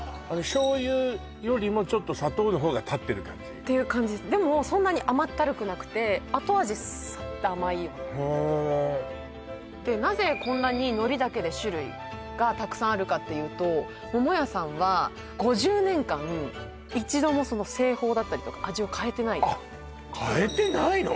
醤油よりもちょっと砂糖のほうが立ってる感じ？っていう感じでもそんなに甘ったるくなくて後味サッと甘いなぜこんなに海苔だけで種類がたくさんあるかっていうと桃屋さんは５０年間１度も製法だったりとか味を変えてない変えてないの？